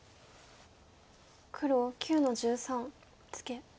黒９の十三ツケ。